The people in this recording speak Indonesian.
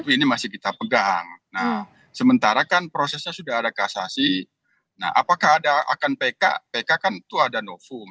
ini masih kita pegang nah sementara kan prosesnya sudah ada kasasi nah apakah ada akan pk pk kan itu ada novum